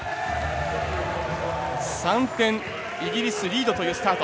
３点、イギリスリードというスタート。